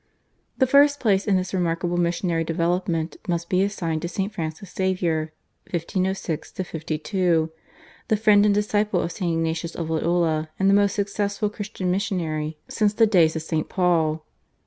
The first place in this remarkable missionary development must be assigned to St. Francis Xavier (1506 52), the friend and disciple of St. Ignatius of Loyola, and the most successful Christian missionary since the days of St. Paul.